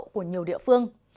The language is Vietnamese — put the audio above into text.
của nhiều địa phương